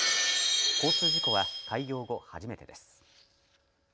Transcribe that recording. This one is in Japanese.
交通事故は開業後初めてです。